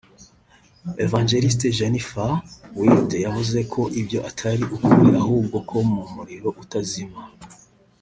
Ev Jennifer Wilde yavuze ko ibyo atari ukuri ahubwo ko mu muriro utazima